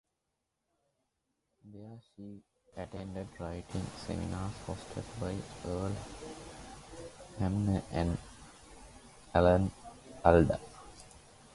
There she attended writing seminars hosted by Earl Hamner and Alan Alda.